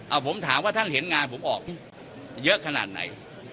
เอาผมถามว่าท่านเห็นงานผมออกเยอะขนาดไหน